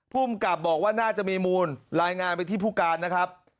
ภูมิกับบอกว่าน่าจะมีมูลรายงานไปที่ผู้การนะครับ